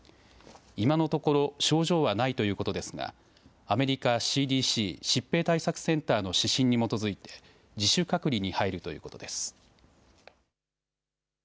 今のところ症状はないということですがアメリカＣＤＣ・疾病対策センターの指針に基づいて自主隔離に入るということです。